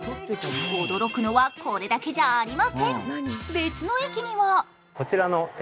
驚くのは、これだけじゃありません。